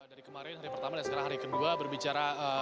dari kemarin hari pertama dan sekarang hari kedua berbicara